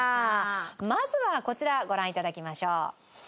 まずはこちらご覧頂きましょう。